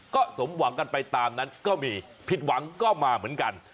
ก็สมหวังกันไปตามนั้นก็มีผิดหวังก็มาเหมือนกัน